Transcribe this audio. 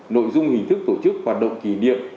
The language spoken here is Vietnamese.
nội dung hình thức tổ chức hoạt động kỷ niệm